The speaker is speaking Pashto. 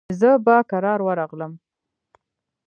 زه به کرار ورغلم.